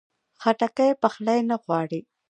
خټکی پخلی نه غواړي.